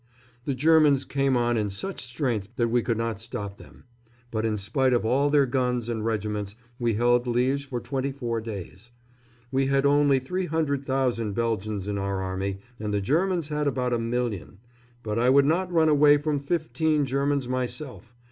The Germans came on in such strength that we could not stop them; but in spite of all their guns and regiments we held Liège for twenty four days. We had only 300,000 Belgians in our army, and the Germans had about a million; but I would not run away from fifteen Germans myself.